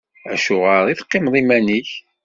Acuɣeṛ i teqqimeḍ iman-ik?